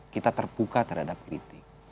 kita terbuka terhadap kritik